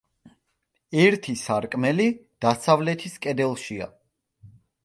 ერთი სარკმელი დასავლეთის კედელშია.